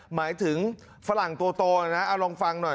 หมายถึงฝรั่งตัวโตนะเอาลองฟังหน่อย